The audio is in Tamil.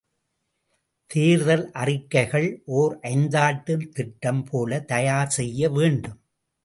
தேர்தல் அறிக்கைகள், ஒர் ஐந்தாண்டுத் திட்டம் போலத் தயார் செய்யவேண்டும்.